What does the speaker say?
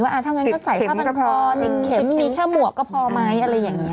ว่าเท่านั้นก็ใส่ก็มันพอมีเข็มมีแค่หมวกก็พอไหมอะไรอย่างนี้